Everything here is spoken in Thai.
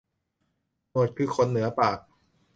หนวดคือขนเหนือปาก